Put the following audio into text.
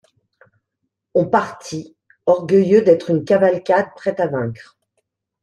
On partit, orgueilleux d'être une cavalcade prête à vaincre.